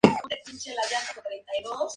Es nativo de Asia.